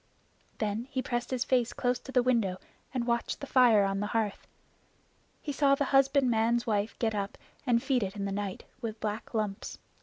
Then he pressed his face close to the window and watched the fire on the hearth. He saw the husbandman's wife get up and feed it in the night with black lumps.